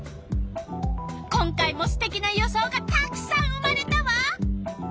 今回もすてきな予想がたくさん生まれたわ。